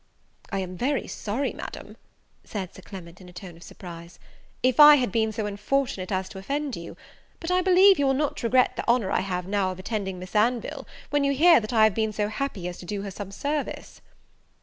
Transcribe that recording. "I am very sorry, Madam," said Sir Clement, in a tone of surprise, "if I had been so unfortunate as to offend you; but I believe you will not regret the honour I now have of attending Miss Anville, when you hear that I have been so happy as to do her some service."